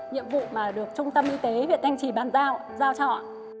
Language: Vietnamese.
nhiệm vụ mà được trung tâm y tế việt anh chỉ bàn giao giao cho ạ